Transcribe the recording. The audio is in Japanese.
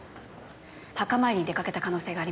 墓参りに出かけた可能性があります。